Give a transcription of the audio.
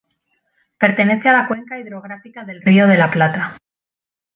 Pertenece a la cuenca hidrográfica del Río de la Plata.